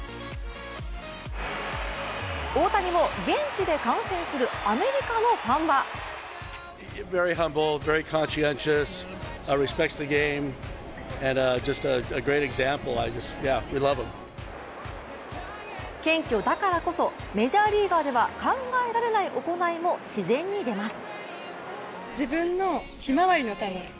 大谷を現地で観戦するアメリカのファンは謙虚だからこそメジャーリーガーでは考えられない行いも自然に出ます。